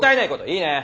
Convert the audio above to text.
いいね？